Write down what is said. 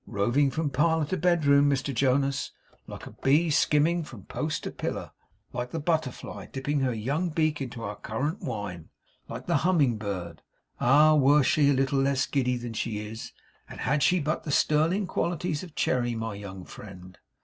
Roving from parlour to bedroom, Mr Jonas, like a bee, skimming from post to pillar, like the butterfly; dipping her young beak into our currant wine, like the humming bird! Ah! were she a little less giddy than she is; and had she but the sterling qualities of Cherry, my young friend!